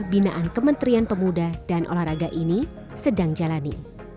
binaan kementerian pemuda dan olahraga ini sedang jalani